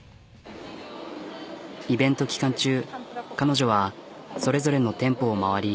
イベント期間中彼女はそれぞれの店舗を回り。